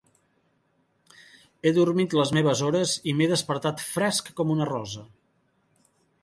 He dormit les meves hores i m'he despertat fresc com una rosa.